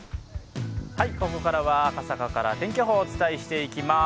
ここからは赤坂から天気予報をお伝えしていきます。